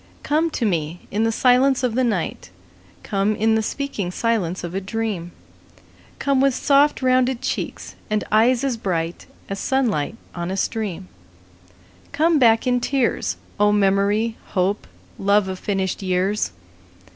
Come to me in the silence of the night; Come in the speaking silence of a dream; Come with soft rounded cheeks and eyes as bright As sunlight on a stream; Come back in tears, O memory, hope, love of finished years.